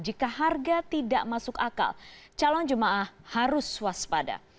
jika harga tidak masuk akal calon jemaah harus waspada